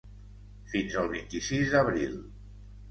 Fins el vint-i-sis d’abril.